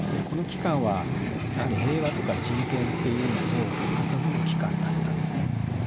この機関は平和とか人権っていうのをつかさどる機関だったんですね。